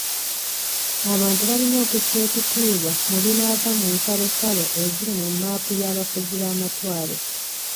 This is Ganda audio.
Abantu balina okussa ekitiibwa mu binaava mu nsalosalo eziri mu mmaapu y'abafuzi b'amatwale.